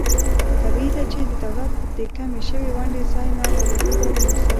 طبعي ده چې د دولت د کمې شوې ونډې ځای نا دولتي ادارې نیسي.